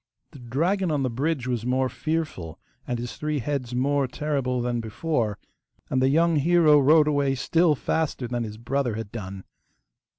The dragon on the bridge was more fearful and his three heads more terrible than before, and the young hero rode away still faster than his brother had done.